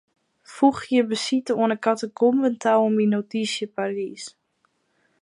Foegje besite oan 'e katakomben ta oan myn notysje Parys.